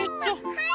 はい。